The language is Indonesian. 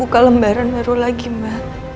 lucu sekali kamu ilah sama